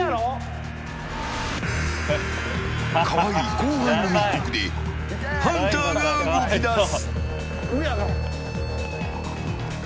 可愛い後輩の密告でハンターが動き出す。